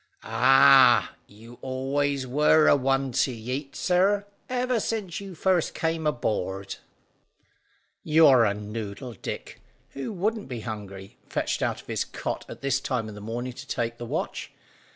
"Ah, you always were a one to yeat, sir, ever since you first came aboard." "You're a noodle, Dick. Who wouldn't be hungry, fetched out of his cot at this time of the morning to take the watch.